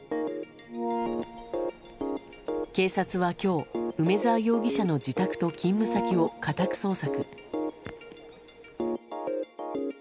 警察は今日、梅沢容疑者の自宅と勤務先を家宅捜索。